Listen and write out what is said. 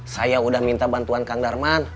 saya sudah minta bantuan kang darman